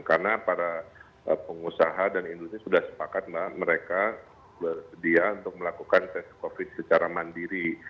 karena para pengusaha dan industri sudah sepakat mbak mereka sedia untuk melakukan tes covid secara mandiri